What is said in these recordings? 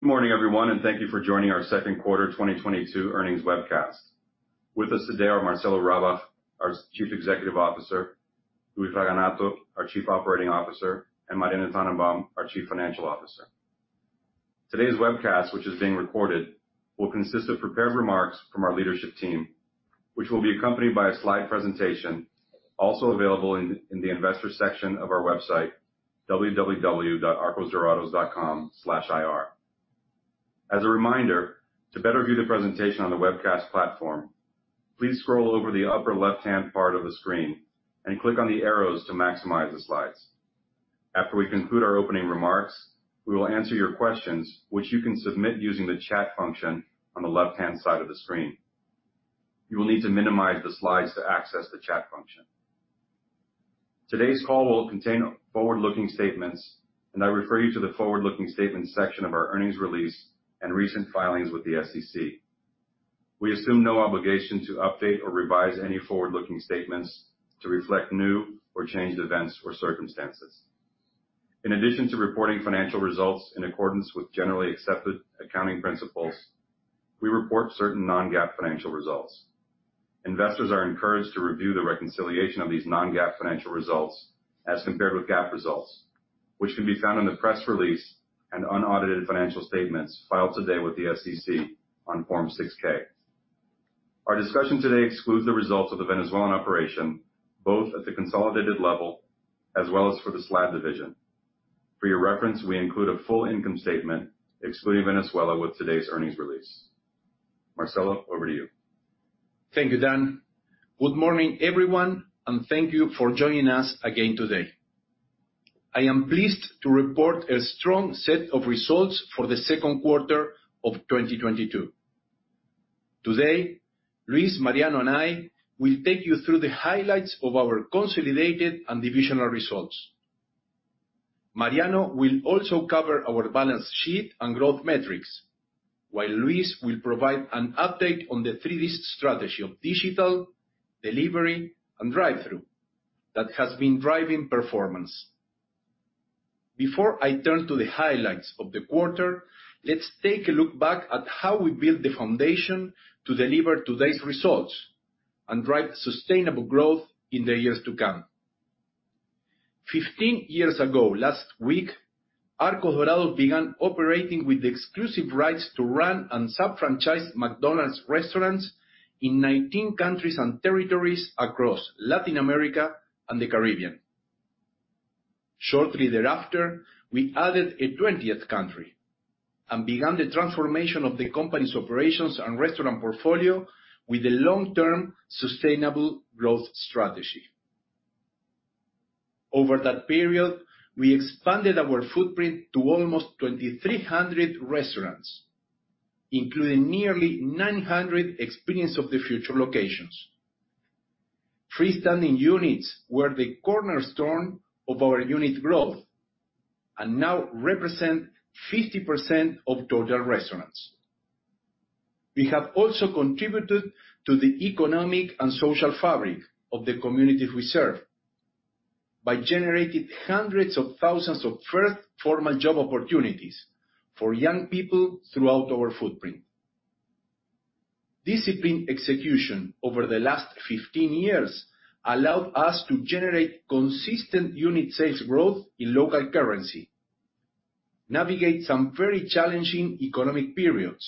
Good morning, everyone, and thank you for joining our second quarter 2022 earnings webcast. With us today are Marcelo Rabach, our Chief Executive Officer, Luis Raganato, our Chief Operating Officer, and Mariano Tannenbaum, our Chief Financial Officer. Today's webcast, which is being recorded, will consist of prepared remarks from our leadership team, which will be accompanied by a slide presentation also available in the investor section of our website www.arcosdorados.com/ir. As a reminder, to better view the presentation on the webcast platform, please scroll over the upper left-hand part of the screen and click on the arrows to maximize the slides. After we conclude our opening remarks, we will answer your questions which you can submit using the chat function on the left-hand side of the screen. You will need to minimize the slides to access the chat function. Today's call will contain forward-looking statements, and I refer you to the forward-looking statements section of our earnings release and recent filings with the SEC. We assume no obligation to update or revise any forward-looking statements to reflect new or changed events or circumstances. In addition to reporting financial results in accordance with generally accepted accounting principles, we report certain non-GAAP financial results. Investors are encouraged to review the reconciliation of these non-GAAP financial results as compared with GAAP results, which can be found in the press release and unaudited financial statements filed today with the SEC on Form 6-K. Our discussion today excludes the results of the Venezuelan operation, both at the consolidated level as well as for the SLAD division. For your reference, we include a full income statement excluding Venezuela with today's earnings release. Marcelo, over to you. Thank you, Dan. Good morning, everyone, and thank you for joining us again today. I am pleased to report a strong set of results for the second quarter of 2022. Today, Luis, Mariano, and I will take you through the highlights of our consolidated and divisional results. Mariano will also cover our balance sheet and growth metrics, while Luis will provide an update on the 3D strategy of digital, delivery, and drive-through that has been driving performance. Before I turn to the highlights of the quarter, let's take a look back at how we built the foundation to deliver today's results and drive sustainable growth in the years to come. 15 years ago, last week, Arcos Dorados began operating with the exclusive rights to run and sub-franchise McDonald's restaurants in 19 countries and territories across Latin America and the Caribbean. Shortly thereafter, we added a 20th country and began the transformation of the company's operations and restaurant portfolio with a long-term sustainable growth strategy. Over that period, we expanded our footprint to almost 2,300 restaurants, including nearly 900 Experience of the Future locations. Freestanding units were the cornerstone of our unit growth and now represent 50% of total restaurants. We have also contributed to the economic and social fabric of the communities we serve by generating hundreds of thousands of first formal job opportunities for young people throughout our footprint. Disciplined execution over the last 15 years allowed us to generate consistent unit sales growth in local currency, navigate some very challenging economic periods,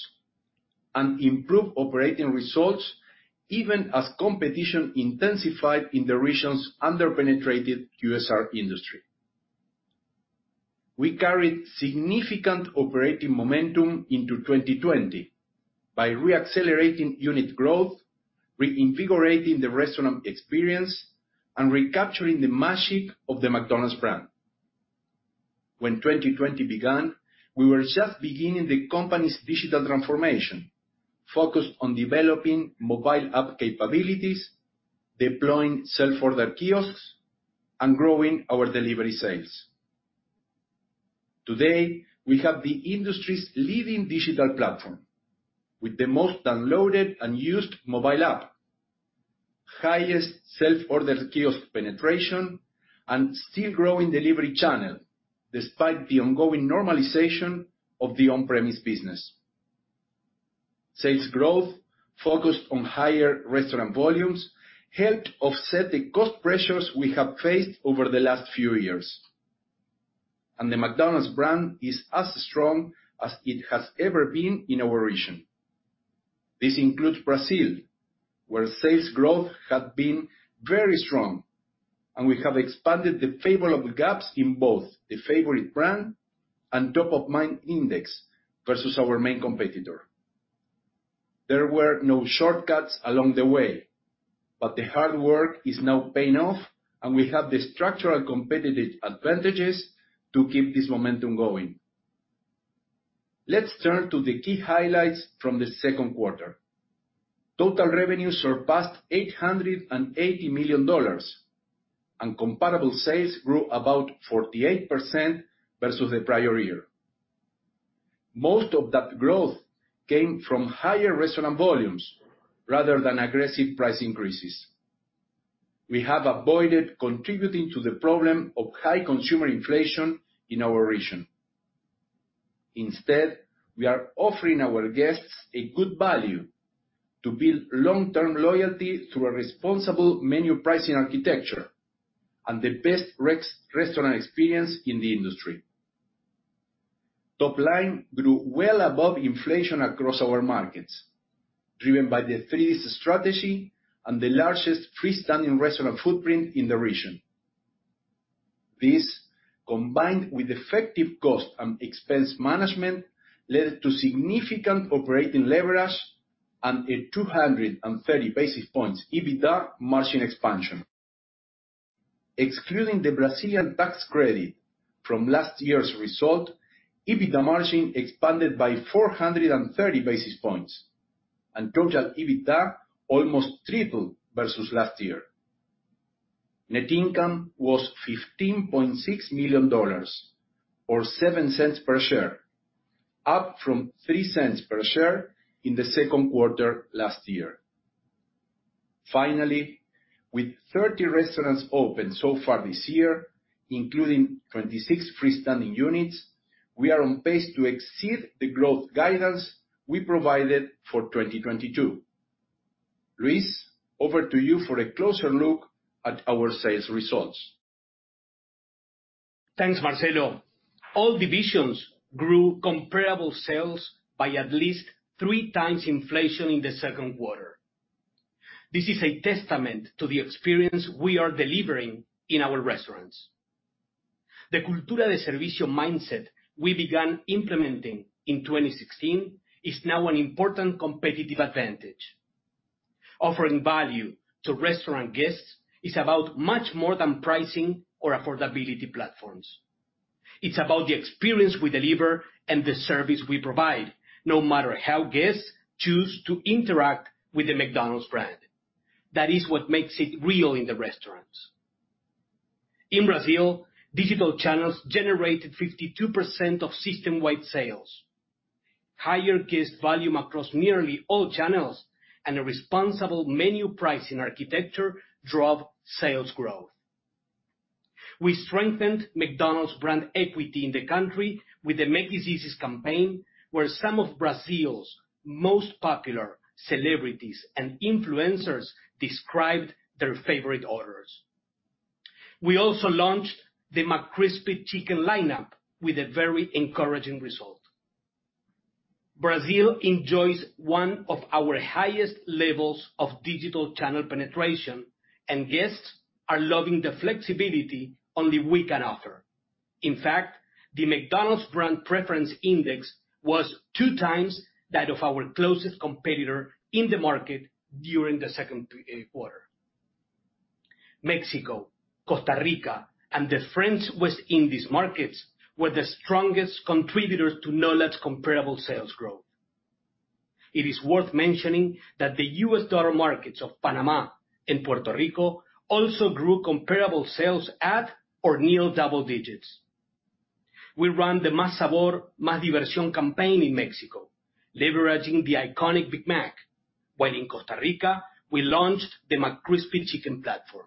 and improve operating results even as competition intensified in the region's under-penetrated QSR industry. We carried significant operating momentum into 2020 by re-accelerating unit growth, reinvigorating the restaurant experience, and recapturing the magic of the McDonald's brand. When 2020 began, we were just beginning the company's digital transformation, focused on developing mobile app capabilities, deploying self-order kiosks, and growing our delivery sales. Today, we have the industry's leading digital platform with the most downloaded and used mobile app, highest self-order kiosk penetration, and still growing delivery channel despite the ongoing normalization of the on-premise business. Sales growth focused on higher restaurant volumes helped offset the cost pressures we have faced over the last few years. The McDonald's brand is as strong as it has ever been in our region. This includes Brazil, where sales growth has been very strong and we have expanded the favorable gaps in both the favorite brand and top of mind index versus our main competitor. There were no shortcuts along the way, but the hard work is now paying off, and we have the structural competitive advantages to keep this momentum going. Let's turn to the key highlights from the second quarter. Total revenue surpassed $880 million, and comparable sales grew about 48% versus the prior year. Most of that growth came from higher restaurant volumes rather than aggressive price increases. We have avoided contributing to the problem of high consumer inflation in our region. Instead, we are offering our guests a good value to build long-term loyalty through a responsible menu pricing architecture, and the best restaurant experience in the industry. Top line grew well above inflation across our markets, driven by the 3D strategy and the largest freestanding restaurant footprint in the region. This, combined with effective cost and expense management, led to significant operating leverage and a 230 basis points EBITDA margin expansion. Excluding the Brazilian tax credit from last year's result, EBITDA margin expanded by 430 basis points, and total EBITDA almost tripled versus last year. Net income was $15.6 million or $0.07 per share, up from $0.03 per share in the second quarter last year. With 30 restaurants open so far this year, including 26 freestanding units, we are on pace to exceed the growth guidance we provided for 2022. Luis, over to you for a closer look at our sales results. Thanks, Marcelo. All divisions grew comparable sales by at least 3x inflation in the second quarter. This is a testament to the experience we are delivering in our restaurants. The cultura de servicio mindset we began implementing in 2016 is now an important competitive advantage. Offering value to restaurant guests is about much more than pricing or affordability platforms. It's about the experience we deliver and the service we provide, no matter how guests choose to interact with the McDonald's brand. That is what makes it real in the restaurants. In Brazil, digital channels generated 52% of system-wide sales. Higher guest volume across nearly all channels and a responsible menu pricing architecture drove sales growth. We strengthened McDonald's brand equity in the country with the McDelicias campaign, where some of Brazil's most popular celebrities and influencers described their favorite orders. We also launched the McCrispy chicken lineup with a very encouraging result. Brazil enjoys one of our highest levels of digital channel penetration, and guests are loving the flexibility only we can offer. In fact, the McDonald's brand preference index was 2x that of our closest competitor in the market during the second quarter. Mexico, Costa Rica, and the French West Indies markets were the strongest contributors to NOLAD comparable sales growth. It is worth mentioning that the U.S. dollar markets of Panama and Puerto Rico also grew comparable sales at or near double digits. We ran the "Más sabor, más diversión" campaign in Mexico, leveraging the iconic Big Mac, while in Costa Rica, we launched the McCrispy chicken platform.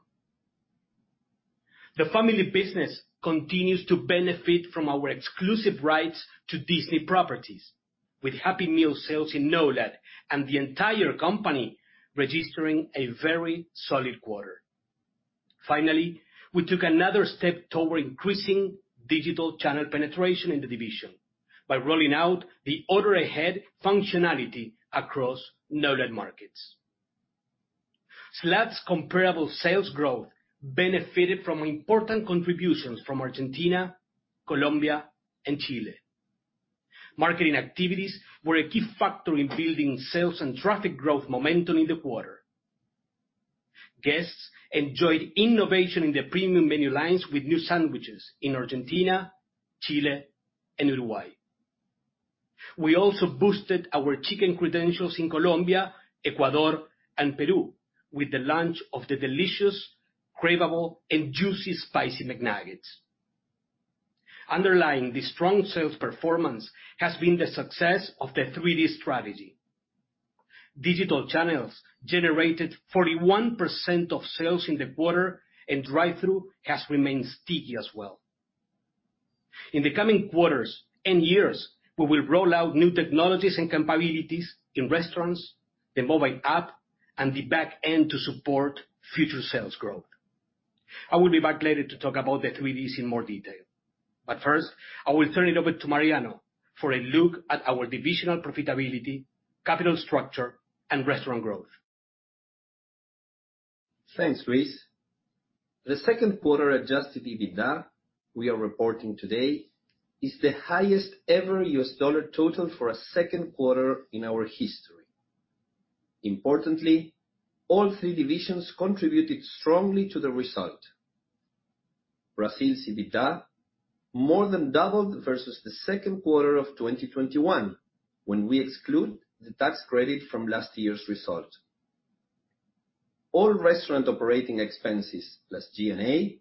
The family business continues to benefit from our exclusive rights to Disney properties with Happy Meal sales in NOLAD and the entire company registering a very solid quarter. Finally, we took another step toward increasing digital channel penetration in the division by rolling out the order ahead functionality across NOLAD markets. SLAD's comparable sales growth benefited from important contributions from Argentina, Colombia, and Chile. Marketing activities were a key factor in building sales and traffic growth momentum in the quarter. Guests enjoyed innovation in the premium menu lines with new sandwiches in Argentina, Chile, and Uruguay. We also boosted our chicken credentials in Colombia, Ecuador, and Peru with the launch of the delicious, craveable, and juicy Spicy McNuggets. Underlying the strong sales performance has been the success of the 3D strategy. Digital channels generated 41% of sales in the quarter, and drive-thru has remained sticky as well. In the coming quarters and years, we will roll out new technologies and capabilities in restaurants, the mobile app, and the back end to support future sales growth. I will be back later to talk about the 3Ds in more detail. I will turn it over to Mariano for a look at our divisional profitability, capital structure, and restaurant growth. Thanks, Luis. The second quarter adjusted EBITDA we are reporting today is the highest ever U.S. dollar total for a second quarter in our history. Importantly, all three divisions contributed strongly to the result. Brazil's EBITDA more than doubled versus the second quarter of 2021 when we exclude the tax credit from last year's result. All restaurant operating expenses plus G&A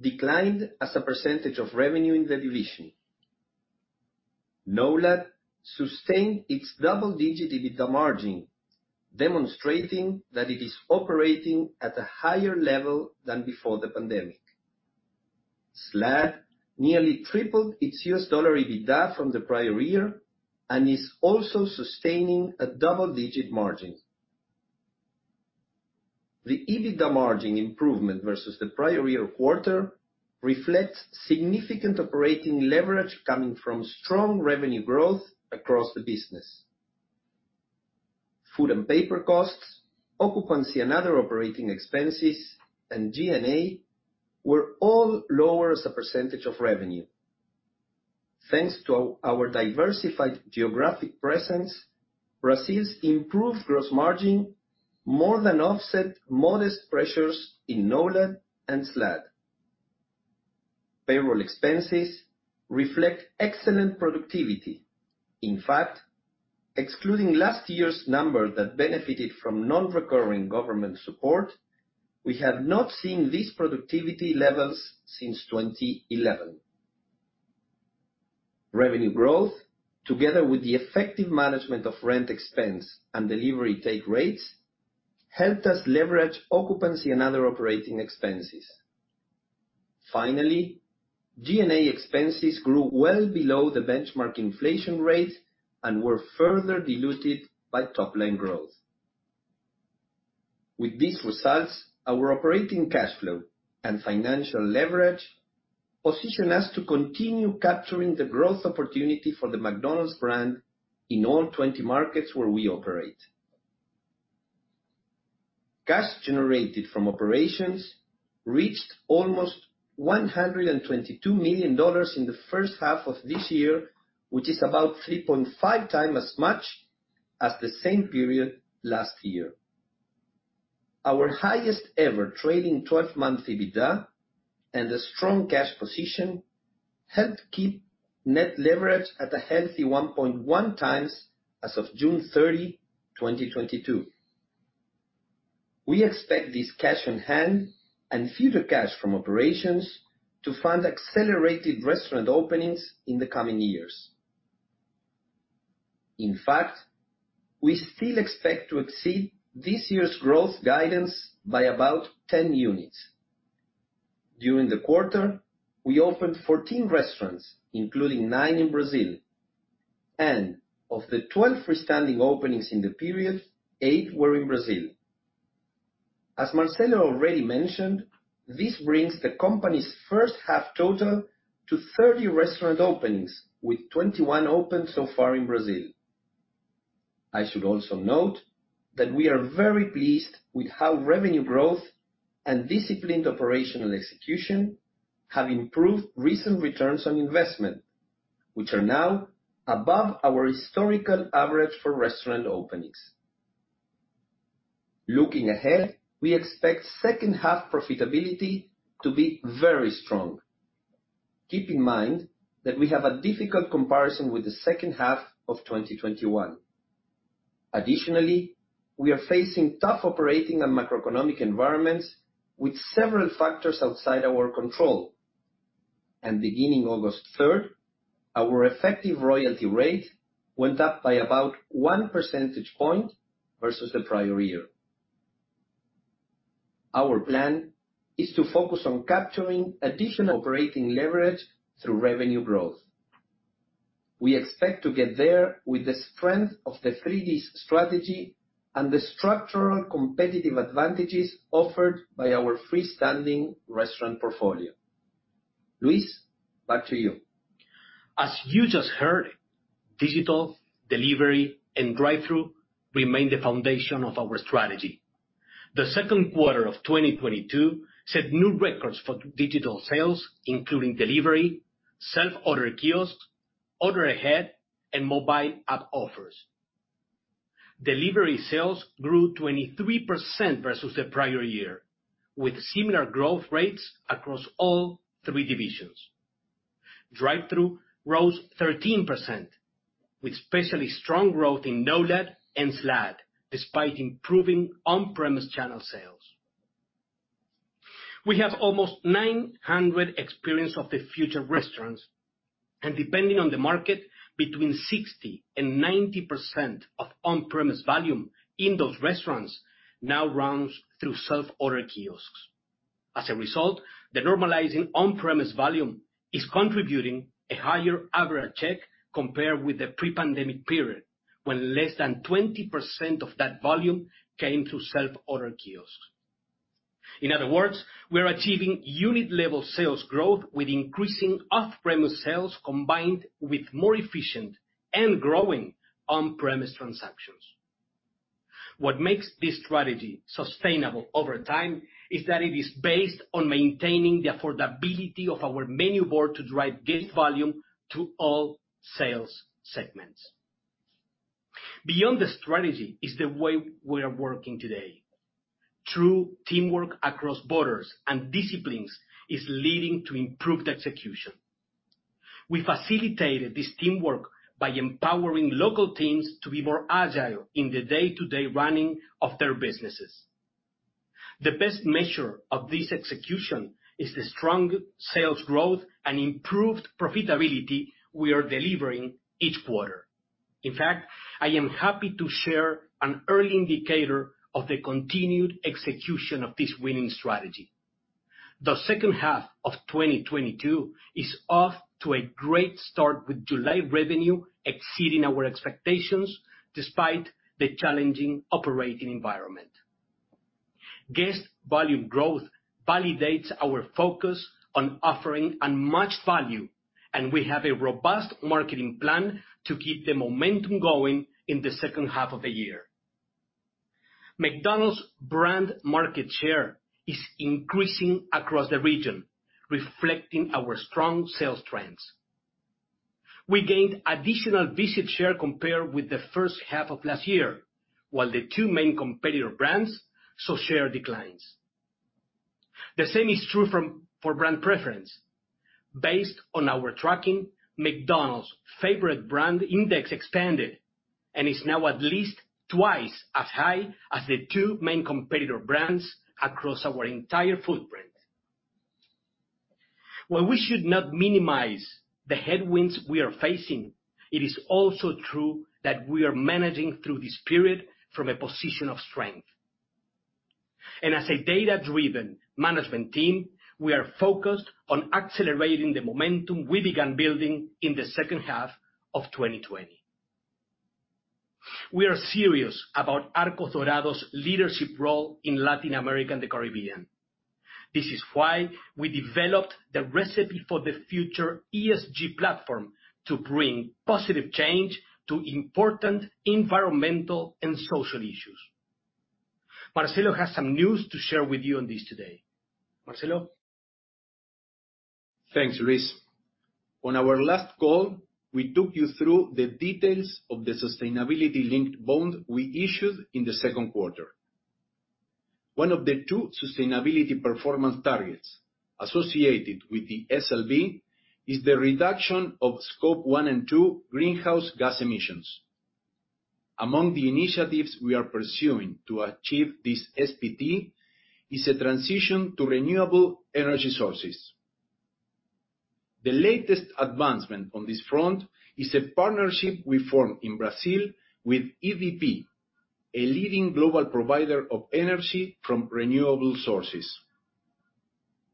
declined as a percentage of revenue in the division. NOLAD sustained its double-digit EBITDA margin, demonstrating that it is operating at a higher level than before the pandemic. SLAD nearly tripled its U.S. dollar EBITDA from the prior year, and is also sustaining a double-digit margin. The EBITDA margin improvement versus the prior year quarter reflects significant operating leverage coming from strong revenue growth across the business. Food and paper costs, occupancy and other operating expenses, and G&A were all lower as a percentage of revenue. Thanks to our diversified geographic presence, Brazil's improved gross margin more than offset modest pressures in NOLAD and SLAD. Payroll expenses reflect excellent productivity. In fact, excluding last year's number that benefited from non-recurring government support, we have not seen these productivity levels since 2011. Revenue growth, together with the effective management of rent expense and delivery take rates, helped us leverage occupancy and other operating expenses. Finally, G&A expenses grew well below the benchmark inflation rate and were further diluted by top line growth. With these results, our operating cash flow and financial leverage position us to continue capturing the growth opportunity for the McDonald's brand in all 20 markets where we operate. Cash generated from operations reached almost $122 million in the first half of this year, which is about 3.5x as much as the same period last year. Our highest ever trailing twelve-month EBITDA and a strong cash position helped keep net leverage at a healthy 1.1x as of June 30, 2022. We expect this cash on hand and future cash from operations to fund accelerated restaurant openings in the coming years. In fact, we still expect to exceed this year's growth guidance by about 10 units. During the quarter, we opened 14 restaurants, including nine in Brazil. Of the 12 freestanding openings in the period, eight were in Brazil. As Marcelo already mentioned, this brings the company's first half total to 30 restaurant openings, with 21 opened so far in Brazil. I should also note that we are very pleased with how revenue growth and disciplined operational execution have improved recent returns on investment, which are now above our historical average for restaurant openings. Looking ahead, we expect second half profitability to be very strong. Keep in mind that we have a difficult comparison with the second half of 2021. Additionally, we are facing tough operating and macroeconomic environments with several factors outside our control. Beginning August 3rd, our effective royalty rate went up by about 1 percentage point versus the prior year. Our plan is to focus on capturing additional operating leverage through revenue growth. We expect to get there with the strength of the 3D strategy and the structural competitive advantages offered by our freestanding restaurant portfolio. Luis, back to you. As you just heard, digital, delivery, and drive-through remain the foundation of our strategy. The second quarter of 2022 set new records for digital sales, including delivery, self-order kiosks, order ahead, and mobile app offers. Delivery sales grew 23% versus the prior year, with similar growth rates across all three divisions. Drive-through rose 13%, with especially strong growth in NOLAD and SLAD, despite improving on-premise channel sales. We have almost 900 Experience of the Future restaurants, and depending on the market, between 60% and 90% of on-premise volume in those restaurants now runs through self-order kiosks. As a result, the normalizing on-premise volume is contributing a higher average check compared with the pre-pandemic period, when less than 20% of that volume came through self-order kiosks. In other words, we are achieving unit-level sales growth with increasing off-premise sales combined with more efficient and growing on-premise transactions. What makes this strategy sustainable over time is that it is based on maintaining the affordability of our menu board to drive guest volume to all sales segments. Beyond the strategy is the way we are working today. True teamwork across borders and disciplines is leading to improved execution. We facilitated this teamwork by empowering local teams to be more agile in the day-to-day running of their businesses. The best measure of this execution is the strong sales growth and improved profitability we are delivering each quarter. In fact, I am happy to share an early indicator of the continued execution of this winning strategy. The second half of 2022 is off to a great start with July revenue exceeding our expectations despite the challenging operating environment. Guest volume growth validates our focus on offering unmatched value, and we have a robust marketing plan to keep the momentum going in the second half of the year. McDonald's brand market share is increasing across the region, reflecting our strong sales trends. We gained additional visit share compared with the first half of last year, while the two main competitor brands saw share declines. The same is true for brand preference. Based on our tracking, McDonald's favorite brand index expanded and is now at least twice as high as the two main competitor brands across our entire footprint. While we should not minimize the headwinds we are facing, it is also true that we are managing through this period from a position of strength. As a data-driven management team, we are focused on accelerating the momentum we began building in the second half of 2020. We are serious about Arcos Dorados' leadership role in Latin America and the Caribbean. This is why we developed the Recipe for the Future ESG platform to bring positive change to important environmental and social issues. Marcelo has some news to share with you on this today. Marcelo? Thanks, Luis. On our last call, we took you through the details of the sustainability-linked bond we issued in the second quarter. One of the two sustainability performance targets associated with the SLB is the reduction of scope 1 and 2 greenhouse gas emissions. Among the initiatives we are pursuing to achieve this SPT is a transition to renewable energy sources. The latest advancement on this front is a partnership we formed in Brazil with EDP, a leading global provider of energy from renewable sources.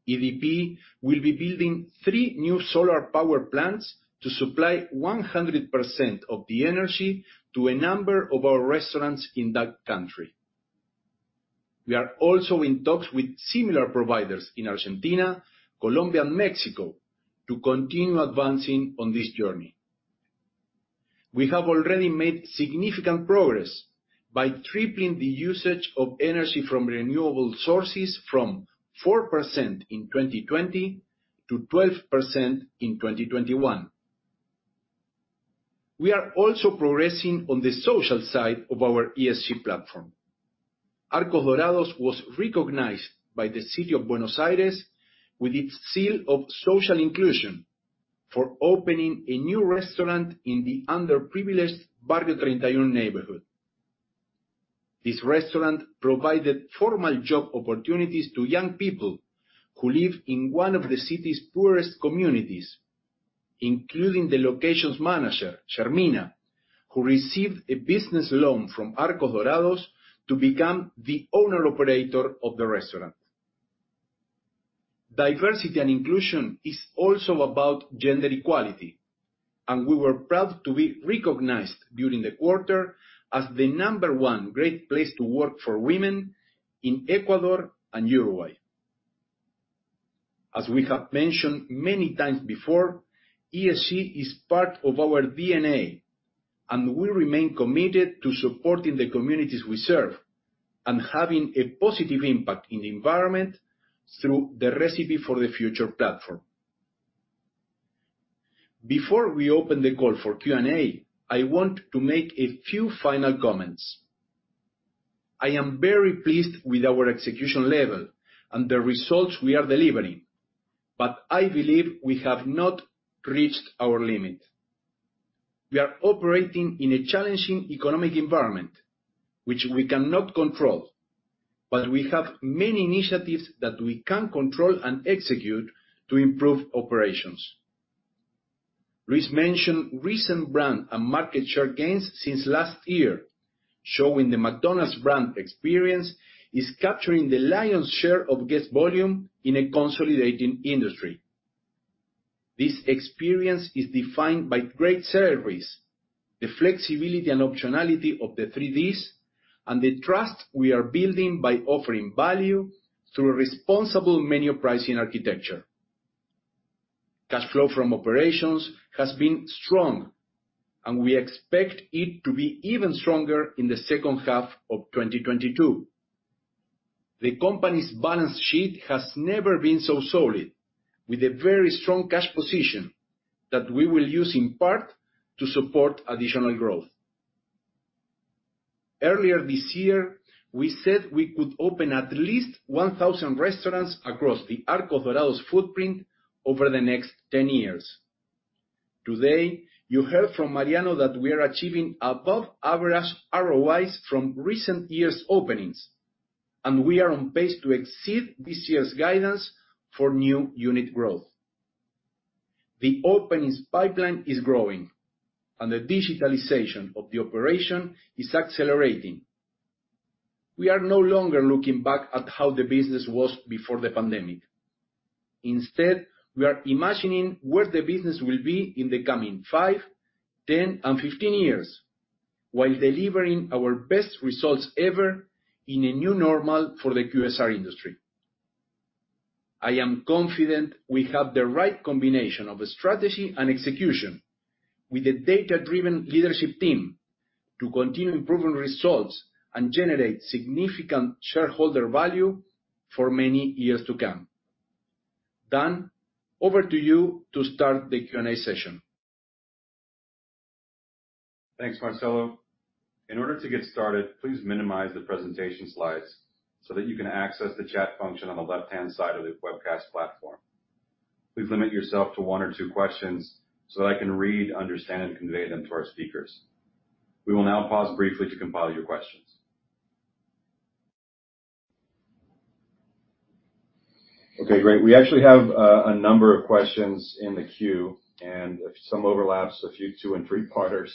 EDP will be building three new solar power plants to supply 100% of the energy to a number of our restaurants in that country. We are also in talks with similar providers in Argentina, Colombia, and Mexico to continue advancing on this journey. We have already made significant progress by tripling the usage of energy from renewable sources from 4% in 2020 to 12% in 2021. We are also progressing on the social side of our ESG platform. Arcos Dorados was recognized by the city of Buenos Aires with its Seal of Social Inclusion for opening a new restaurant in the underprivileged Barrio 31 neighborhood. This restaurant provided formal job opportunities to young people who live in one of the city's poorest communities, including the location manager, Sharmina, who received a business loan from Arcos Dorados to become the owner-operator of the restaurant. Diversity and inclusion is also about gender equality, and we were proud to be recognized during the quarter as the number one great place to work for women in Ecuador and Uruguay. As we have mentioned many times before, ESG is part of our DNA, and we remain committed to supporting the communities we serve and having a positive impact in the environment through the Recipe for the Future platform. Before we open the call for Q&A, I want to make a few final comments. I am very pleased with our execution level and the results we are delivering, but I believe we have not reached our limit. We are operating in a challenging economic environment which we cannot control, but we have many initiatives that we can control and execute to improve operations. Luis mentioned recent brand and market share gains since last year, showing the McDonald's brand experience is capturing the lion's share of guest volume in a consolidating industry. This experience is defined by great service, the flexibility and optionality of the 3Ds, and the trust we are building by offering value through a responsible menu pricing architecture. Cash flow from operations has been strong, and we expect it to be even stronger in the second half of 2022. The company's balance sheet has never been so solid, with a very strong cash position that we will use in part to support additional growth. Earlier this year, we said we could open at least 1,000 restaurants across the Arcos Dorados footprint over the next 10 years. Today, you heard from Mariano that we are achieving above average ROIs from recent years' openings, and we are on pace to exceed this year's guidance for new unit growth. The openings pipeline is growing, and the digitalization of the operation is accelerating. We are no longer looking back at how the business was before the pandemic. Instead, we are imagining where the business will be in the coming five, 10, and 15 years, while delivering our best results ever in a new normal for the QSR industry. I am confident we have the right combination of strategy and execution with a data-driven leadership team to continue improving results and generate significant shareholder value for many years to come. Dan, over to you to start the Q&A session. Thanks, Marcelo. In order to get started, please minimize the presentation slides so that you can access the chat function on the left-hand side of the webcast platform. Please limit yourself to one or two questions so that I can read, understand, and convey them to our speakers. We will now pause briefly to compile your questions. Okay, great. We actually have a number of questions in the queue, and some overlaps, a few two and three-parters.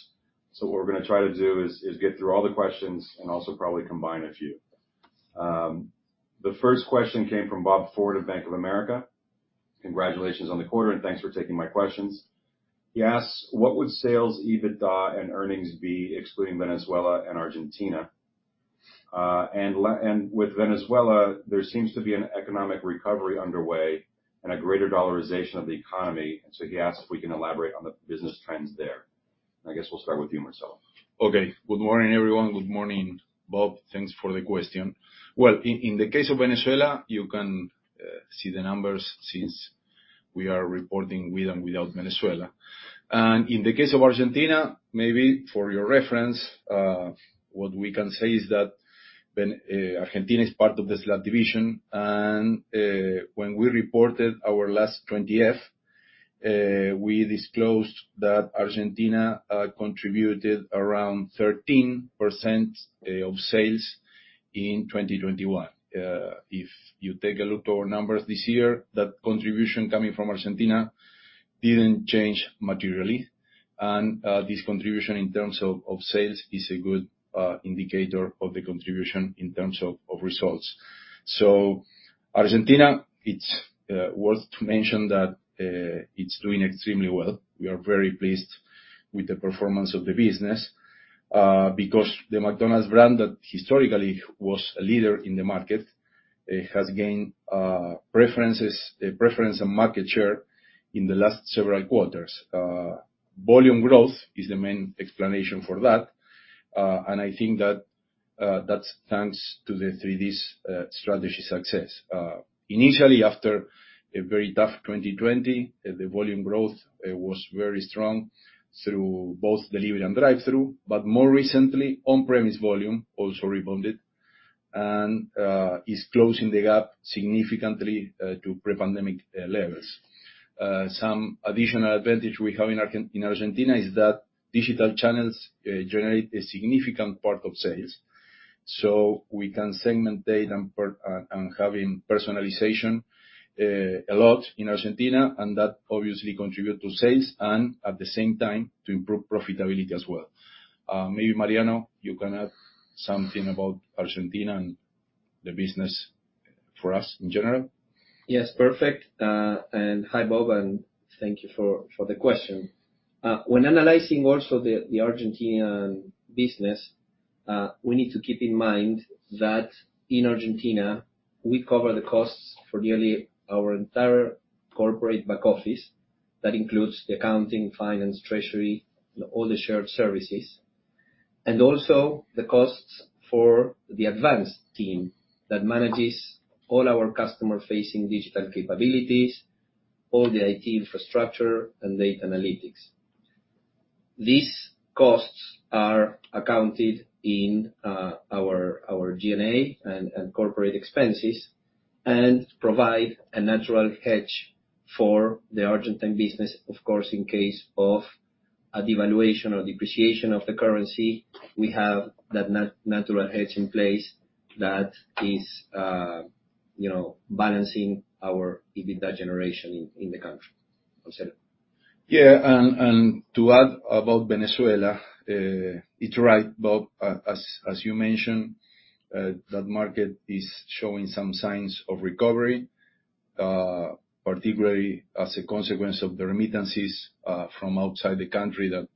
So what we're gonna try to do is get through all the questions and also probably combine a few. The first question came from Bob Ford of Bank of America. Congratulations on the quarter, and thanks for taking my questions. He asks, what would sales, EBITDA, and earnings be excluding Venezuela and Argentina? And with Venezuela, there seems to be an economic recovery underway and a greater dollarization of the economy. He asks if we can elaborate on the business trends there. I guess we'll start with you, Marcelo. Okay. Good morning, everyone. Good morning, Bob. Thanks for the question. Well, in the case of Venezuela, you can see the numbers since we are reporting with and without Venezuela. In the case of Argentina, maybe for your reference, what we can say is that Argentina is part of the SLAD division, and when we reported our last 20-F, we disclosed that Argentina contributed around 13% of sales in 2021. If you take a look at our numbers this year, that contribution coming from Argentina didn't change materially. This contribution in terms of sales is a good indicator of the contribution in terms of results. Argentina, it's worth to mention that, it's doing extremely well. We are very pleased with the performance of the business, because the McDonald's brand that historically was a leader in the market has gained preference and market share in the last several quarters. Volume growth is the main explanation for that, and I think that that's thanks to the 3Ds strategy success. Initially, after a very tough 2020, the volume growth was very strong through both delivery and drive-thru, but more recently, on-premise volume also rebounded and is closing the gap significantly to pre-pandemic levels. Some additional advantage we have in Argentina is that digital channels generate a significant part of sales, so we can segment data and personalize a lot in Argentina, and that obviously contribute to sales and at the same time, to improve profitability as well. Maybe Mariano, you can add something about Argentina and the business for us in general. Yes. Perfect. Hi, Bob, and thank you for the question. When analyzing also the Argentine business, we need to keep in mind that in Argentina, we cover the costs for nearly our entire corporate back office. That includes the accounting, finance, treasury, all the shared services, and also the costs for the advanced team that manages all our customer-facing digital capabilities, all the IT infrastructure, and data analytics. These costs are accounted in our G&A and corporate expenses and provide a natural hedge for the Argentine business. Of course, in case of a devaluation or depreciation of the currency, we have that natural hedge in place that is, you know, balancing our EBITDA generation in the country. Marcelo? Yeah. To add about Venezuela, it's right, Bob, as you mentioned, that market is showing some signs of recovery, particularly as a consequence of the remittances from outside the country that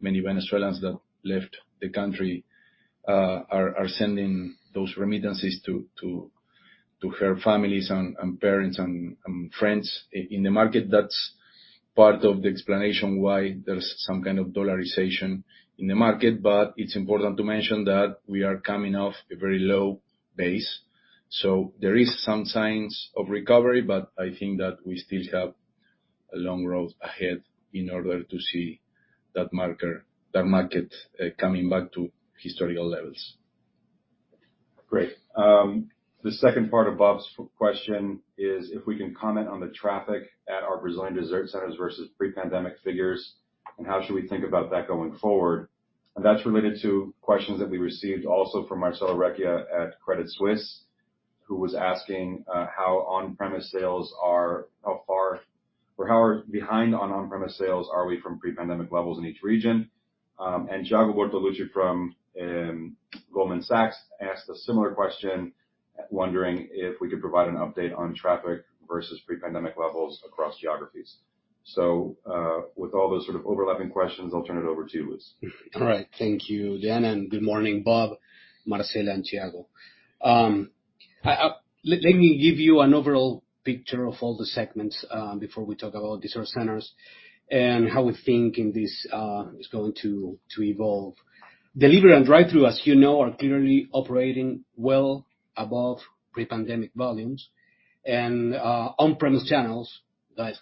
many Venezuelans that left the country are sending those remittances to help families and parents and friends in the market. That's part of the explanation why there's some kind of dollarization in the market. It's important to mention that we are coming off a very low base, so there is some signs of recovery, but I think that we still have a long road ahead in order to see that market coming back to historical levels. Great. The second part of Bob's question is if we can comment on the traffic at our Brazilian restaurants versus pre-pandemic figures, and how should we think about that going forward? That's related to questions that we received also from Marcella Recchia at Credit Suisse, who was asking, how far behind on-premise sales are we from pre-pandemic levels in each region? Thiago Bertolucci from Goldman Sachs asked a similar question, wondering if we could provide an update on traffic versus pre-pandemic levels across geographies. With all those sort of overlapping questions, I'll turn it over to you, Luis. All right. Thank you, Dan, and good morning, Bob, Marcella, and Thiago. Let me give you an overall picture of all the segments before we talk about dessert centers and how we think this is going to evolve. Delivery and drive-thru, as you know, are clearly operating well above pre-pandemic volumes. On-premise channels that,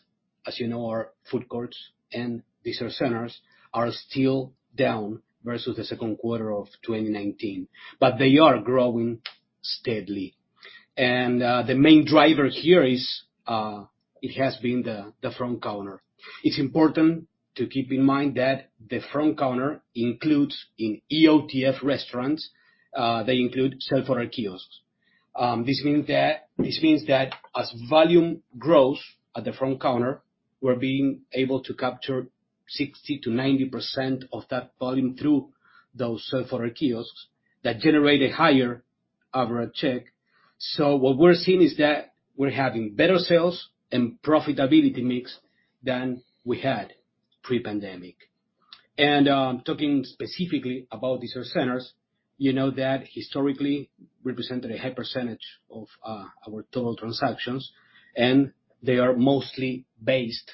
as you know, are food courts and dessert centers are still down versus the second quarter of 2019, but they are growing steadily. The main driver here is and has been the front counter. It's important to keep in mind that the front counter includes, in EOTF restaurants, they include self-order kiosks. This means that as volume grows at the front counter, we're being able to capture 60%-90% of that volume through those self-order kiosks that generate a higher average check. What we're seeing is that we're having better sales and profitability mix than we had pre-pandemic. Talking specifically about dessert centers, you know that historically represented a high percentage of our total transactions, and they are mostly based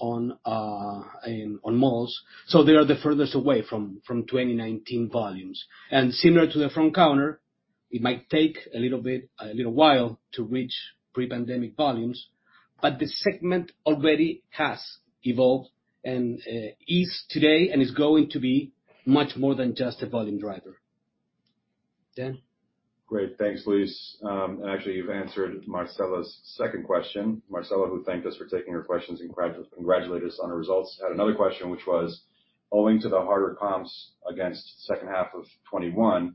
in malls, so they are the furthest away from 2019 volumes. Similar to the front counter, it might take a little bit, a little while to reach pre-pandemic volumes, but the segment already has evolved and is today and is going to be much more than just a volume driver. Dan? Great. Thanks, Luis. Actually, you've answered Marcella's second question. Marcella, who thanked us for taking her questions and congratulated us on the results, had another question, which was, owing to the harder comps against second half of 2021,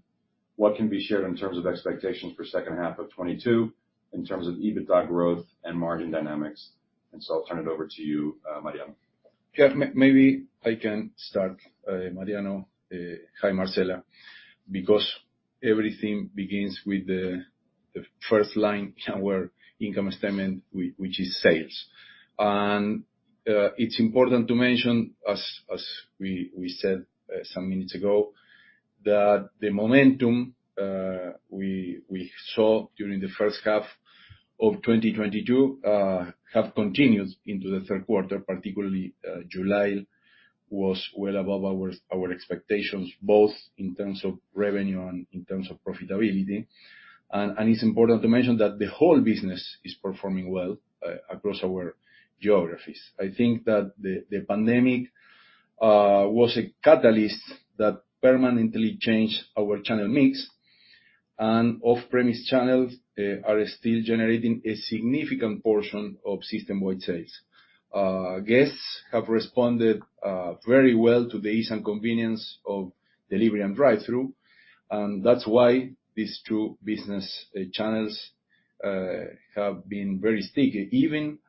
what can be shared in terms of expectations for second half of 2022 in terms of EBITDA growth and margin dynamics? I'll turn it over to you, Mariano. Maybe I can start, Mariano. Hi, Marcella. Because everything begins with the first line in our income statement which is sales. It's important to mention, as we said some minutes ago, that the momentum we saw during the first half of 2022 have continued into the third quarter. Particularly, July was well above our expectations, both in terms of revenue and in terms of profitability. It's important to mention that the whole business is performing well across our geographies. I think that the pandemic was a catalyst that permanently changed our channel mix, and off-premise channels are still generating a significant portion of systemwide sales. Guests have responded very well to the ease and convenience of delivery and drive-thru, and that's why these two business channels have been very sticky, even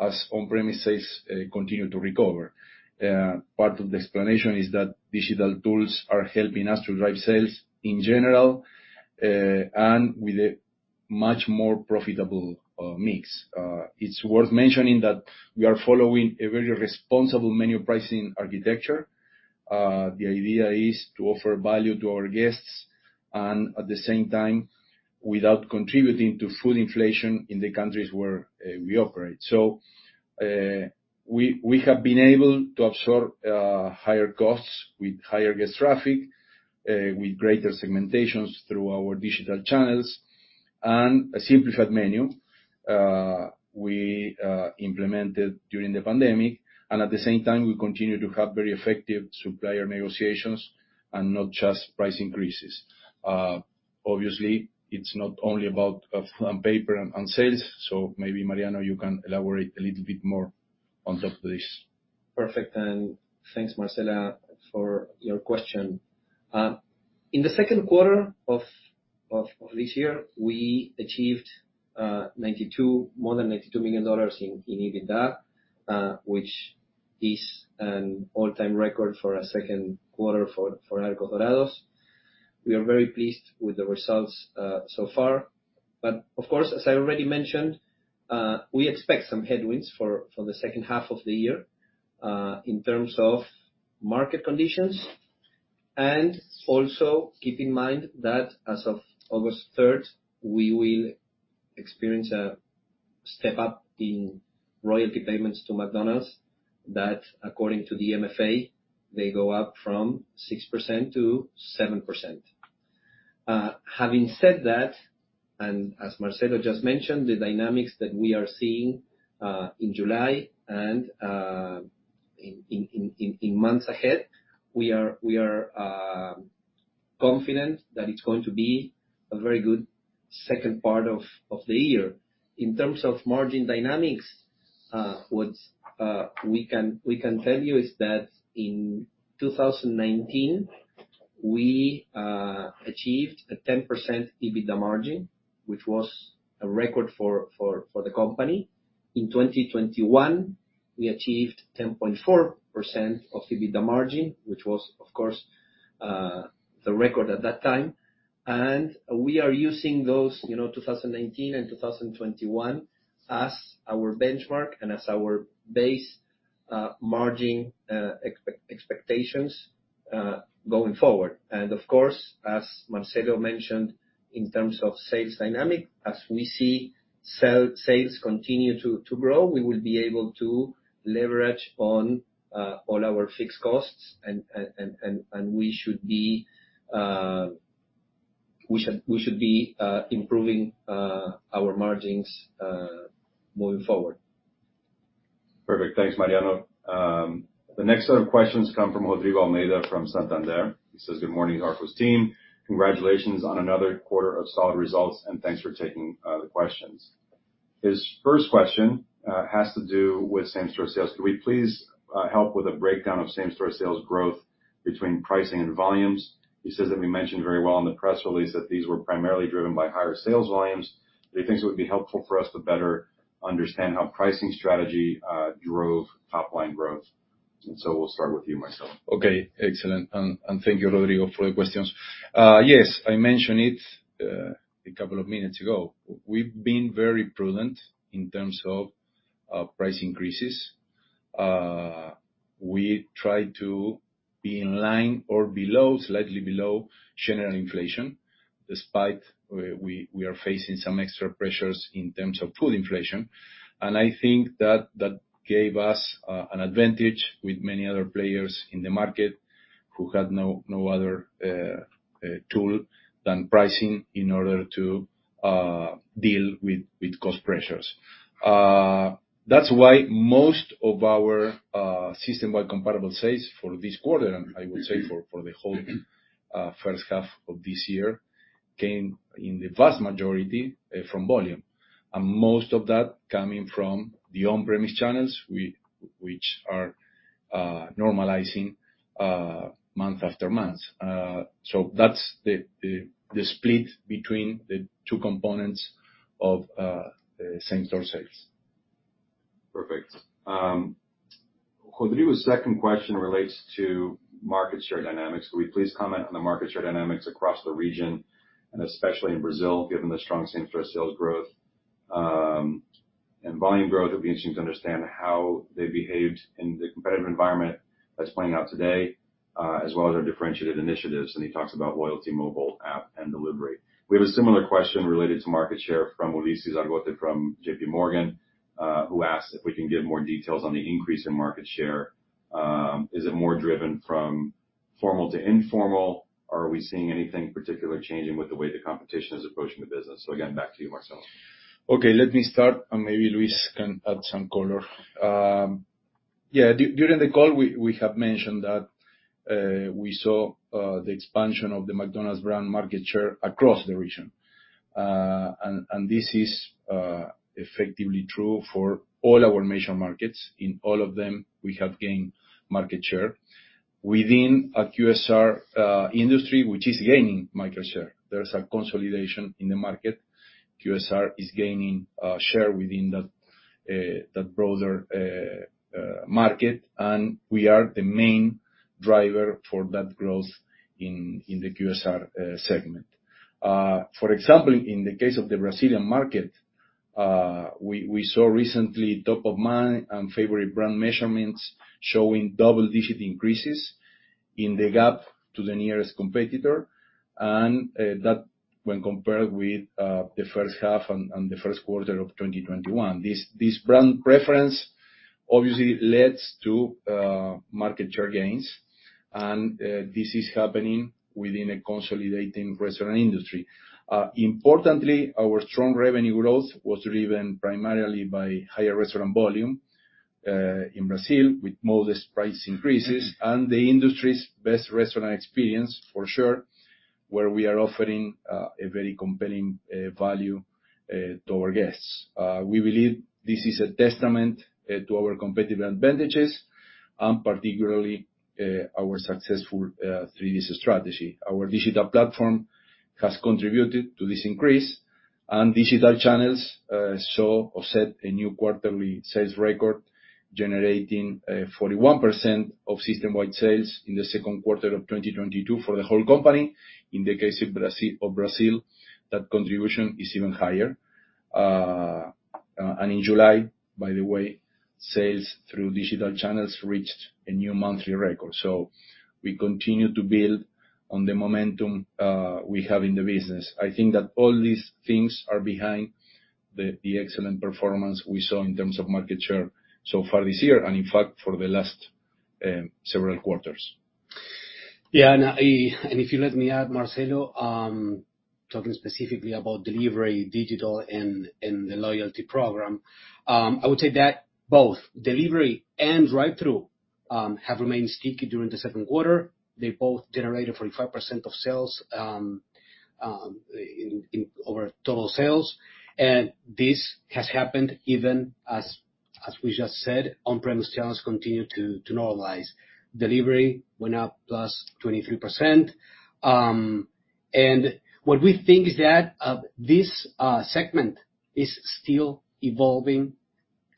as on-premise sales continue to recover. Part of the explanation is that digital tools are helping us to drive sales in general and with a much more profitable mix. It's worth mentioning that we are following a very responsible menu pricing architecture. The idea is to offer value to our guests, and at the same time, without contributing to food inflation in the countries where we operate. We have been able to absorb higher costs with higher guest traffic, with greater segmentations through our digital channels, and a simplified menu we implemented during the pandemic. At the same time, we continue to have very effective supplier negotiations and not just price increases. Obviously it's not only about paper and on sales, so maybe Mariano, you can elaborate a little bit more on top of this. Perfect. Thanks, Marcella, for your question. In the second quarter of this year, we achieved more than $92 million in EBITDA, which is an all-time record for a second quarter for Arcos Dorados. We are very pleased with the results so far. Of course, as I already mentioned, we expect some headwinds for the second half of the year in terms of market conditions. Also keep in mind that as of August third, we will experience a step-up in royalty payments to McDonald's. That according to the MFA, they go up from 6%-7%. Having said that, as Marcelo just mentioned, the dynamics that we are seeing in July and in months ahead, we are confident that it's going to be a very good second part of the year. In terms of margin dynamics, what we can tell you is that in 2019, we achieved a 10% EBITDA margin, which was a record for the company. In 2021, we achieved 10.4% EBITDA margin, which was, of course, the record at that time. We are using those, you know, 2019 and 2021 as our benchmark and as our base margin expectations going forward. Of course, as Marcelo mentioned, in terms of sales dynamic, as we see sales continue to grow, we will be able to leverage on all our fixed costs and we should be improving our margins moving forward. Perfect. Thanks, Mariano. The next set of questions come from Rodrigo Almeida from Santander. He says, "Good morning, Arcos team. Congratulations on another quarter of solid results, and thanks for taking the questions." His first question has to do with same-store sales. Could we please help with a breakdown of same-store sales growth between pricing and volumes? He says that we mentioned very well in the press release that these were primarily driven by higher sales volumes, but he thinks it would be helpful for us to better understand how pricing strategy drove top-line growth. We'll start with you, Marcelo. Okay. Excellent. Thank you, Rodrigo, for the questions. Yes, I mentioned it a couple of minutes ago. We've been very prudent in terms of price increases. We try to be in line or below, slightly below general inflation, despite we are facing some extra pressures in terms of food inflation. I think that gave us an advantage with many other players in the market who had no other tool than pricing in order to deal with cost pressures. That's why most of our system-wide comparable sales for this quarter, and I would say for the whole first half of this year, came in the vast majority from volume, and most of that coming from the on-premise channels which are normalizing month after month. That's the split between the two components of same-store sales. Perfect. Rodrigo's second question relates to market share dynamics. Could we please comment on the market share dynamics across the region, and especially in Brazil, given the strong same-store sales growth, and volume growth? It would be interesting to understand how they behaved in the competitive environment that's playing out today, as well as our differentiated initiatives, and he talks about loyalty mobile app and delivery. We have a similar question related to market share from Ulises Argote from JPMorgan, who asks if we can give more details on the increase in market share. Is it more driven from formal to informal, or are we seeing anything particular changing with the way the competition is approaching the business? Again, back to you, Marcelo. Okay, let me start, and maybe Luis can add some color. During the call, we have mentioned that we saw the expansion of the McDonald's brand market share across the region. This is effectively true for all our major markets. In all of them, we have gained market share. Within a QSR industry, which is gaining market share, there is a consolidation in the market. QSR is gaining share within that broader market, and we are the main driver for that growth in the QSR segment. For example, in the case of the Brazilian market, we saw recently top of mind and favorite brand measurements showing double-digit increases in the gap to the nearest competitor, and that when compared with the first half and the first quarter of 2021. This brand preference obviously leads to market share gains, and this is happening within a consolidating restaurant industry. Importantly, our strong revenue growth was driven primarily by higher restaurant volume in Brazil with modest price increases and the industry's best restaurant experience for sure, where we are offering a very compelling value to our guests. We believe this is a testament to our competitive advantages and particularly our successful 3D strategy. Our digital platform has contributed to this increase, and digital channels saw or set a new quarterly sales record, generating 41% of system-wide sales in the second quarter of 2022 for the whole company. In the case of Brazil, that contribution is even higher. In July, by the way, sales through digital channels reached a new monthly record. We continue to build on the momentum we have in the business. I think that all these things are behind the excellent performance we saw in terms of market share so far this year, and in fact, for the last several quarters. If you let me add, Marcelo, talking specifically about delivery, digital and the loyalty program, I would say that both delivery and drive-thru have remained sticky during the second quarter. They both generated 45% of total sales. This has happened even as we just said, on-premise channels continue to normalize. Delivery went up +23%. What we think is that this segment is still evolving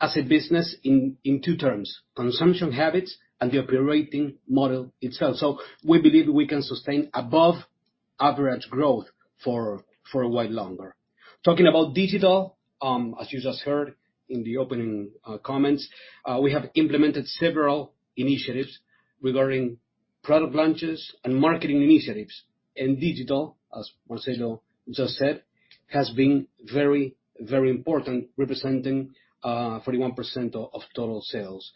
as a business in two terms, consumption habits and the operating model itself. We believe we can sustain above average growth for a while longer. Talking about digital, as you just heard in the opening comments, we have implemented several initiatives regarding product launches and marketing initiatives. Digital, as Marcelo just said, has been very, very important, representing 41% of total sales.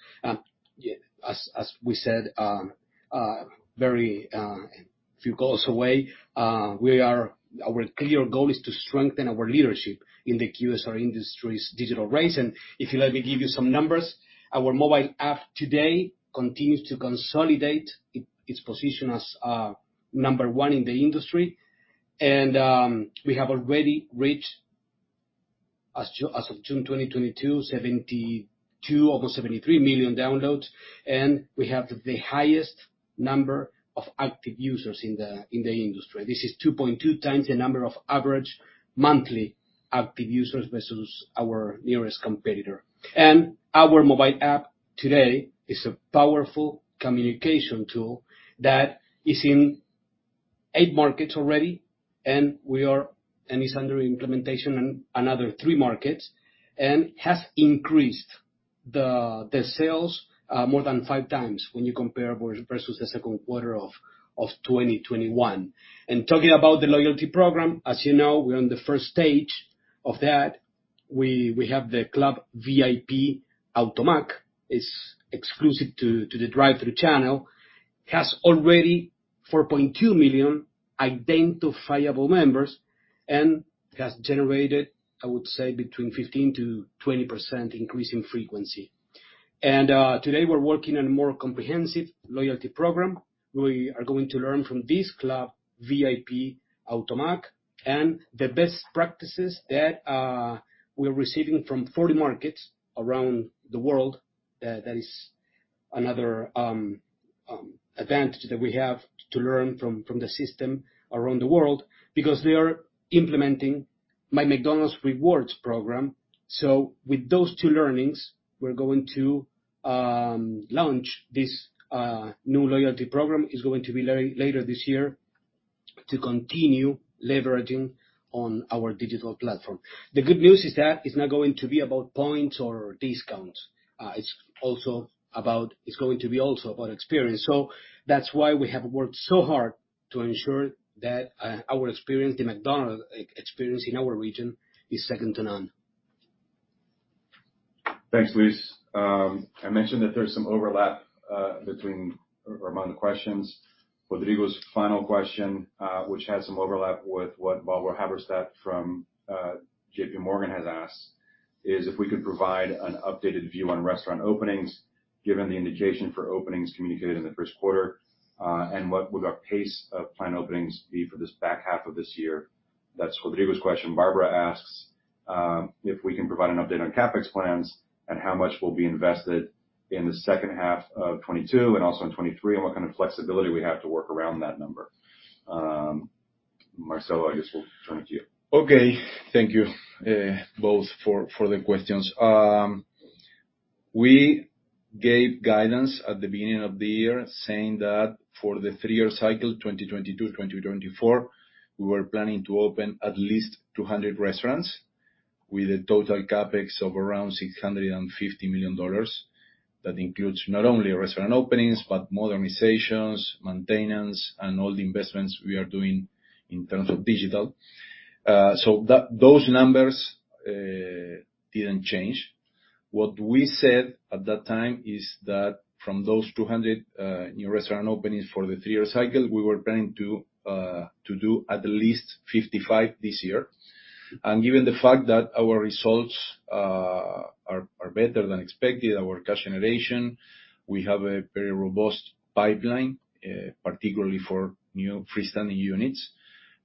As we said, very few goals away, our clear goal is to strengthen our leadership in the QSR industry's digital race. If you let me give you some numbers, our mobile app today continues to consolidate its position as number one in the industry. We have already reached, as of June 2022, 72, almost 73 million downloads. We have the highest number of active users in the industry. This is 2.2x the number of average monthly active users versus our nearest competitor. Our mobile app today is a powerful communication tool that is in eight markets already, and is under implementation in another three markets, and has increased the sales more than 5x when you compare versus the second quarter of 2021. Talking about the loyalty program, as you know, we're on the first stage of that. We have the Club VIP AutoMac. It's exclusive to the drive-thru channel. Has already 4.2 million identifiable members and has generated, I would say, between 15%-20% increase in frequency. Today, we're working on a more comprehensive loyalty program. We are going to learn from this Club VIP AutoMac, and the best practices that we're receiving from 40 markets around the world, that is another advantage that we have to learn from the system around the world, because we are implementing My McDonald's Rewards program. With those two learnings, we're going to launch this new loyalty program, is going to be later this year to continue leveraging on our digital platform. The good news is that it's not going to be about points or discounts. It's also about. It's going to be also about experience. That's why we have worked so hard to ensure that our experience, the McDonald's experience in our region is second to none. Thanks, Luis. I mentioned that there's some overlap between or among the questions. Rodrigo's final question, which has some overlap with what Barbara Halberstadt from JPMorgan has asked, is if we could provide an updated view on restaurant openings, given the indication for openings communicated in the first quarter, and what would our pace of planned openings be for this back half of this year? That's Rodrigo's question. Barbara asks if we can provide an update on CapEx plans and how much will be invested in the second half of 2022 and also in 2023, and what kind of flexibility we have to work around that number. Marcelo, I guess we'll turn it to you. Okay. Thank you both for the questions. We gave guidance at the beginning of the year saying that for the three-year cycle, 2022, 2024, we were planning to open at least 200 restaurants with a total CapEx of around $650 million. That includes not only restaurant openings, but modernizations, maintenance, and all the investments we are doing in terms of digital. Those numbers didn't change. What we said at that time is that from those 200 new restaurant openings for the three-year cycle, we were planning to do at least 55 this year. Given the fact that our results are better than expected, our cash generation, we have a very robust pipeline, particularly for new freestanding units.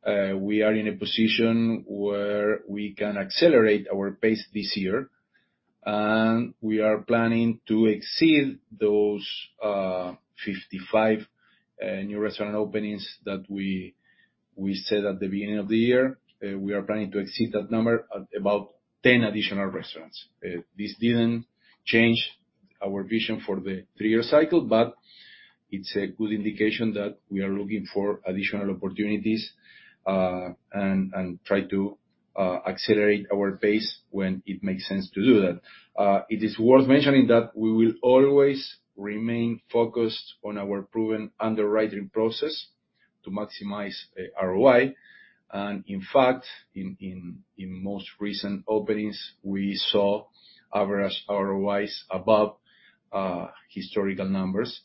We are in a position where we can accelerate our pace this year, and we are planning to exceed those 55 new restaurant openings that we said at the beginning of the year. We are planning to exceed that number at about 10 additional restaurants. This didn't change our vision for the three-year cycle, but it's a good indication that we are looking for additional opportunities, and try to accelerate our pace when it makes sense to do that. It is worth mentioning that we will always remain focused on our proven underwriting process. To maximize ROI. In fact, in most recent openings, we saw average ROIs above historical numbers.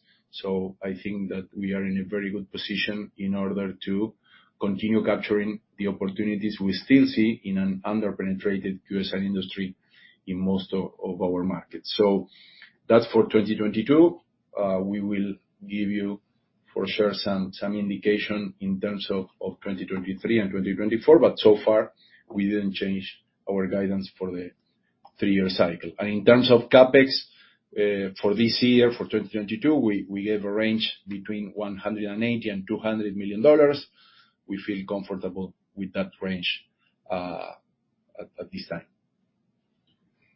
I think that we are in a very good position in order to continue capturing the opportunities we still see in an under-penetrated QSR industry in most of our markets. That's for 2022. We will give you for sure some indication in terms of 2023 and 2024, but so far we didn't change our guidance for the three-year cycle. In terms of CapEx, for this year, for 2022, we gave a range between $180 million and $200 million. We feel comfortable with that range at this time.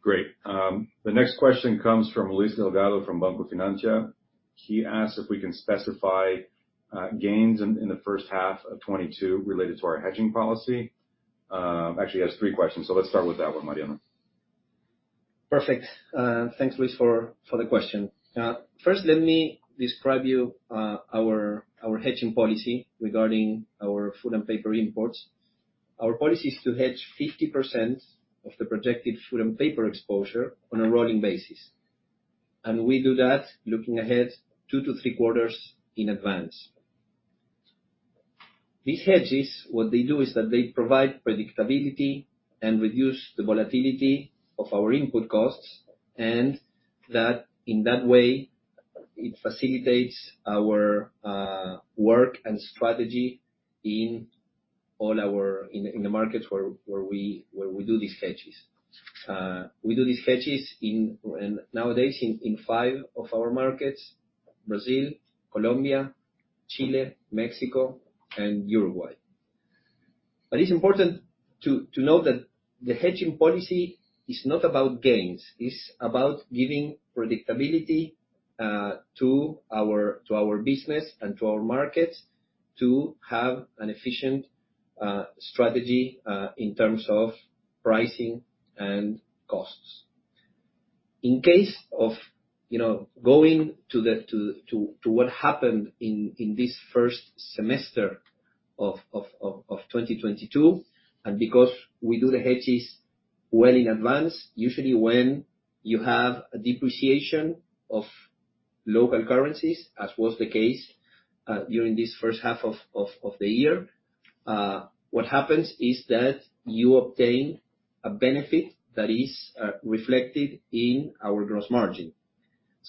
Great. The next question comes from Luis Delgado, from Banco Finantia. He asks if we can specify gains in the first half of 2022 related to our hedging policy. Actually he has three questions, so let's start with that one, Mariano. Perfect. Thanks, Luis, for the question. First, let me describe to you our hedging policy regarding our food and paper imports. Our policy is to hedge 50% of the projected food and paper exposure on a rolling basis. We do that looking ahead two to three quarters in advance. These hedges, what they do is that they provide predictability and reduce the volatility of our input costs, and that in that way, it facilitates our work and strategy in the markets where we do these hedges. We do these hedges nowadays in five of our markets: Brazil, Colombia, Chile, Mexico, and Uruguay. It's important to know that the hedging policy is not about gains. It's about giving predictability to our business and to our markets to have an efficient strategy in terms of pricing and costs. In case of going to what happened in this first semester of 2022, and because we do the hedges well in advance, usually when you have a depreciation of local currencies, as was the case during this first half of the year, what happens is that you obtain a benefit that is reflected in our gross margin.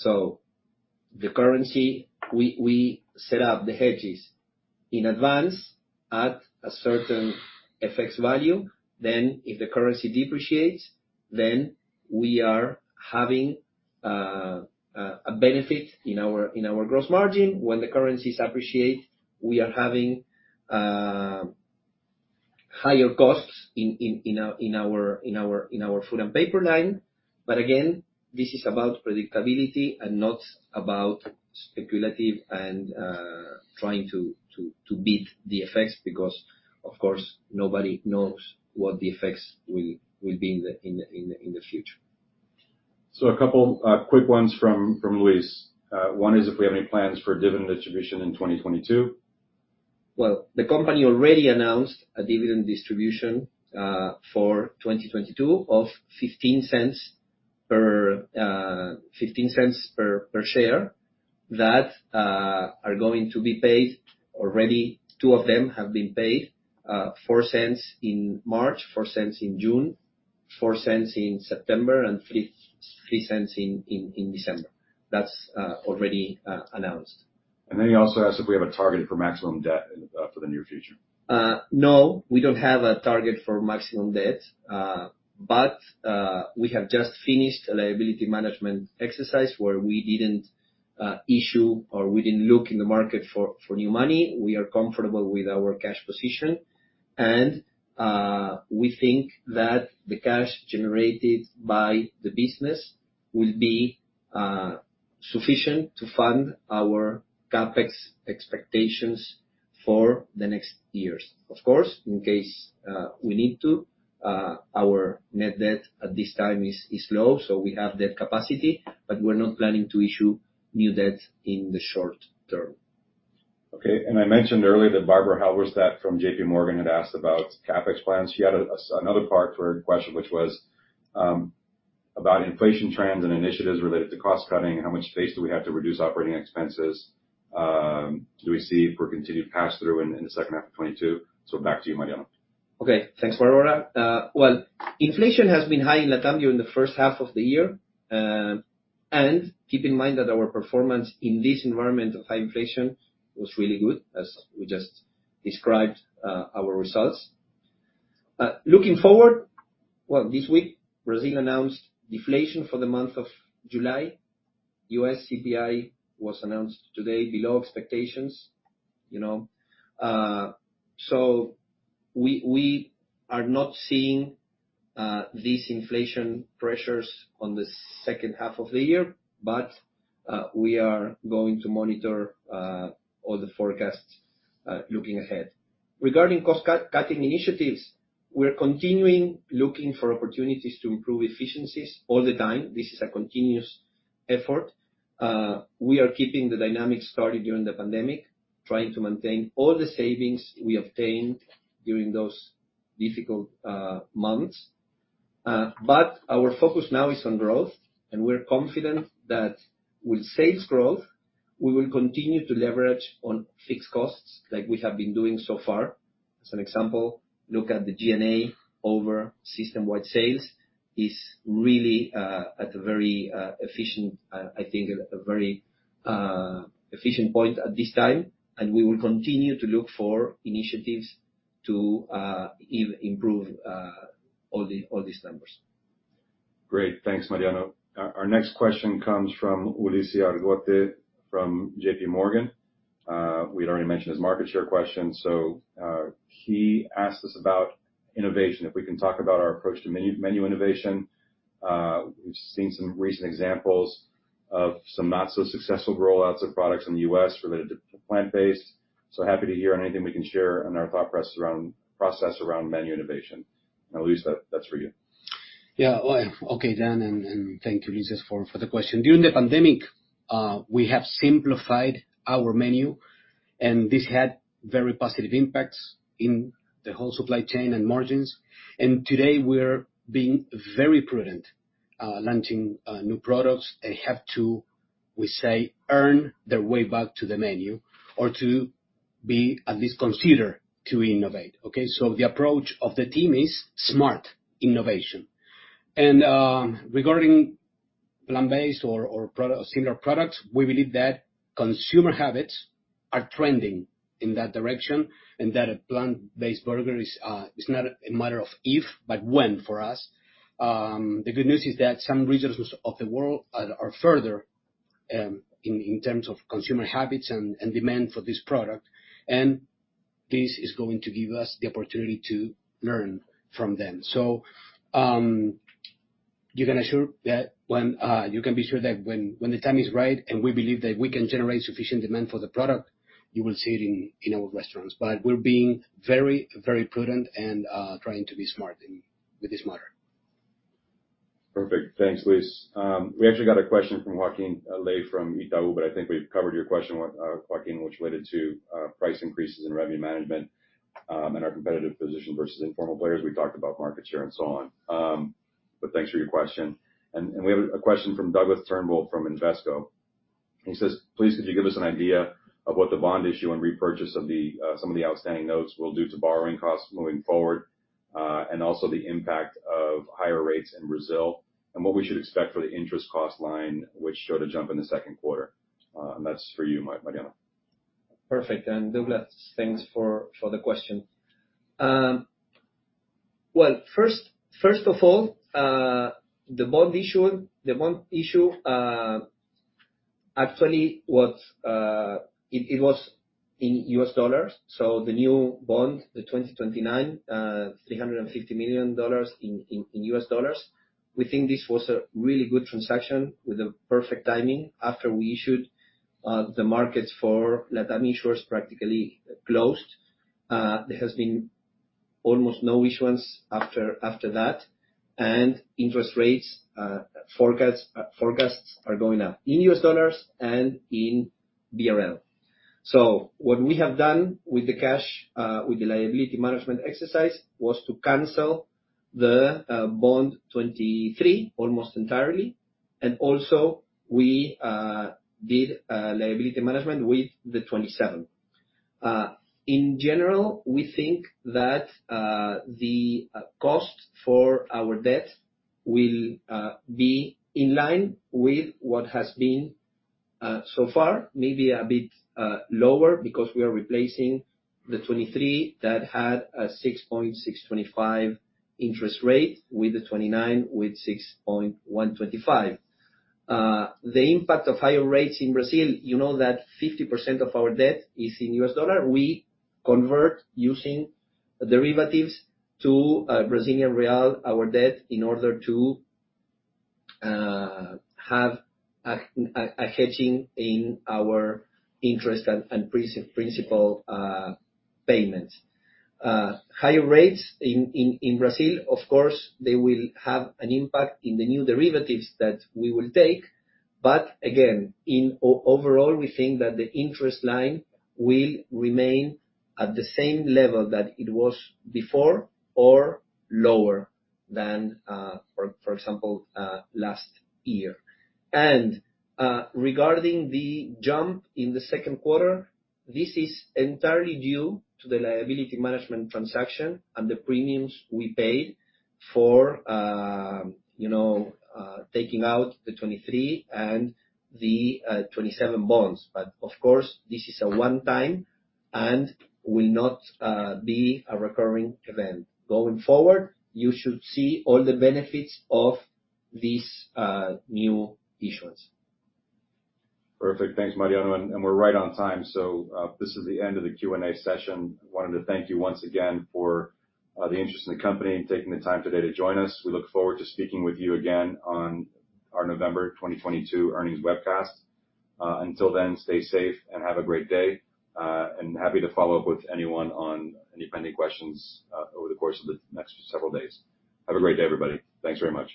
The currency we set up the hedges in advance at a certain FX value. If the currency depreciates, we are having a benefit in our gross margin. When the currencies appreciate, we are having higher costs in our food and paper line. Again, this is about predictability and not about speculative and trying to beat the effects because of course, nobody knows what the effects will be in the future. A couple quick ones from Luis. One is if we have any plans for dividend distribution in 2022. Well, the company already announced a dividend distribution for 2022 of $0.15 per share that are going to be paid. Already two of them have been paid. $0.04 in March, $0.04 in June, $0.04 in September, and $0.03 in December. That's already announced. He also asked if we have a target for maximum debt for the near future. No, we don't have a target for maximum debt. We have just finished a liability management exercise where we didn't look in the market for new money. We are comfortable with our cash position, and we think that the cash generated by the business will be sufficient to fund our CapEx expectations for the next years. Of course, in case we need to, our net debt at this time is low, so we have that capacity, but we're not planning to issue new debt in the short term. Okay. I mentioned earlier that Barbara Halberstadt from JPMorgan had asked about CapEx plans. She had another part to her question, which was about inflation trends and initiatives related to cost cutting and how much space do we have to reduce operating expenses. Do we see for continued pass-through in the second half of 2022? Back to you, Mariano. Okay. Thanks, Barbara. Well, inflation has been high in Latin America during the first half of the year. Keep in mind that our performance in this environment of high inflation was really good as we just described our results. Looking forward, well, this week, Brazil announced deflation for the month of July. U.S. CPI was announced today below expectations, you know. We are not seeing these inflation pressures on the second half of the year, but we are going to monitor all the forecasts looking ahead. Regarding cost-cutting initiatives, we're continuing looking for opportunities to improve efficiencies all the time. This is a continuous effort. We are keeping the dynamics started during the pandemic, trying to maintain all the savings we obtained during those difficult months. Our focus now is on growth, and we're confident that with sales growth, we will continue to leverage on fixed costs like we have been doing so far. As an example, look at the G&A over system-wide sales is really at a very efficient point at this time, I think. We will continue to look for initiatives to improve all these numbers. Great. Thanks, Mariano. Our next question comes from Ulises Argote from JPMorgan. We'd already mentioned his market share question, so he asked us about innovation. If we can talk about our approach to menu innovation. We've seen some recent examples of some not so successful rollouts of products in the U.S. related to plant-based. Happy to hear anything we can share on our thought process around menu innovation. Luis, that's for you. Yeah. Well, okay then. Thank you, Ulises, for the question. During the pandemic, we have simplified our menu, and this had very positive impacts in the whole supply chain and margins. Today, we're being very prudent launching new products. They have to, we say, earn their way back to the menu or to be at least considered to innovate, okay? The approach of the team is smart innovation. Regarding plant-based or similar products, we believe that consumer habits are trending in that direction and that a plant-based burger is not a matter of if but when for us. The good news is that some regions of the world are further in terms of consumer habits and demand for this product. This is going to give us the opportunity to learn from them. You can be sure that when the time is right, and we believe that we can generate sufficient demand for the product, you will see it in our restaurants. We're being very, very prudent and trying to be smart in with this matter. Perfect. Thanks, Luis. We actually got a question from Joaquin Ley from Itaú, but I think we've covered your question with Joaquin, which related to price increases and revenue management, and our competitive position versus informal players. We talked about market share and so on. Thanks for your question. We have a question from Douglas Turnbull from Invesco. He says: Please, could you give us an idea of what the bond issue and repurchase of some of the outstanding notes will do to borrowing costs moving forward, and also the impact of higher rates in Brazil, and what we should expect for the interest cost line, which showed a jump in the second quarter? That's for you, Mariano. Perfect. Douglas, thanks for the question. Well, first of all, the bond issue actually was in US dollars. The new bond, the 2029, $350 million in US dollars. We think this was a really good transaction with the perfect timing. After we issued, the markets for LATAM issuers practically closed. There has been almost no issuance after that. Interest rates forecasts are going up in U.S. dollars and in BRL. What we have done with the cash, with the liability management exercise, was to cancel the bond 2023 almost entirely. Also we did liability management with the 2027. In general, we think that the cost for our debt will be in line with what has been so far maybe a bit lower because we are replacing the 2023 that had a 6.625% interest rate with the 2029 with 6.125%. The impact of higher rates in Brazil, you know that 50% of our debt is in U.S. dollar. We convert using derivatives to Brazilian real our debt in order to have a hedging in our interest and principal payment. Higher rates in Brazil, of course, they will have an impact in the new derivatives that we will take. In overall, we think that the interest line will remain at the same level that it was before or lower than, for example, last year. Regarding the jump in the second quarter, this is entirely due to the liability management transaction and the premiums we paid for taking out the 2023 and the 2027 bonds. Of course, this is a one-time and will not be a recurring event. Going forward, you should see all the benefits of this new issuance. Perfect. Thanks, Mariano. We're right on time. This is the end of the Q&A session. Wanted to thank you once again for the interest in the company and taking the time today to join us. We look forward to speaking with you again on our November 2022 earnings webcast. Until then, stay safe and have a great day. Happy to follow up with anyone on any pending questions over the course of the next several days. Have a great day, everybody. Thanks very much.